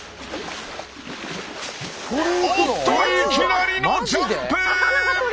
おっといきなりのジャンプー！